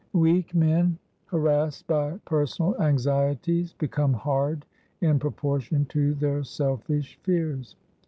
Weak men, harassed by personal anxieties, become hard in proportion to their selfish fears.